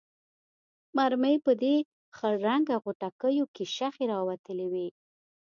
مرمۍ په دې خړ رنګه غوټکیو کې شخې راوتلې وې.